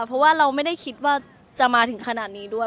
เพราะว่าเราไม่ได้คิดว่าจะมาถึงขนาดนี้ด้วย